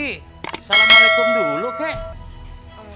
assalamualaikum dulu kek